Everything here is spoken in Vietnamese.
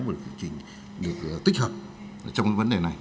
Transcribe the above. được tích hợp trong vấn đề này